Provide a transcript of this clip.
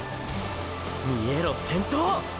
見えろ先頭！！